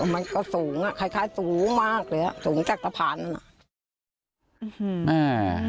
มันก็สูงอ่ะคล้ายสูงมากเลยอ่ะสูงจากตะพานนั่นอ่ะ